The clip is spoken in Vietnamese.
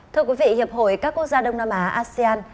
thưa quý vị hiệp hội các quốc gia đông nam á asean